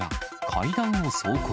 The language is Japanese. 階段を走行。